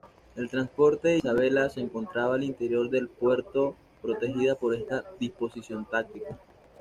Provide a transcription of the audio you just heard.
El transporte "Isabella" se encontraba al interior del puerto protegida por esta disposición táctica.